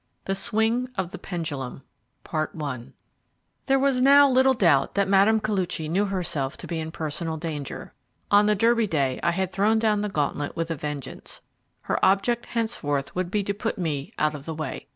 THE SWING OF THE PENDULUM. THERE was now little doubt that Mme. Koluchy knew herself to be in personal danger. On the Derby Day I had thrown down the gauntlet with a vengeance her object henceforth would be to put me out of the way.